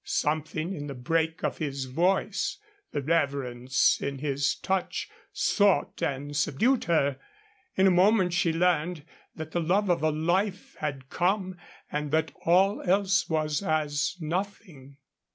Something in the break of his voice, the reverence in his touch, sought and subdued her. In a moment she learned that the love of a life had come and that all else was as nothing.